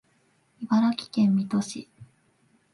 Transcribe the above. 茨城県水戸市